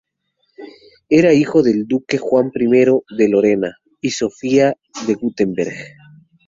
Era hijo del duque Juan I de Lorena, y Sofía de Wurtemberg.